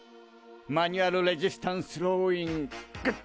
マニュアルレジスタンスローイングッ！